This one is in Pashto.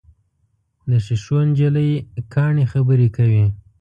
د ښیښو نجلۍ کاڼي خبرې کوي.